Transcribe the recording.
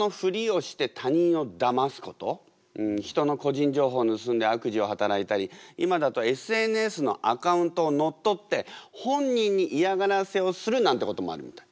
人の個人情報盗んで悪事を働いたり今だとＳＮＳのアカウントを乗っ取って本人に嫌がらせをするなんてこともあるみたい。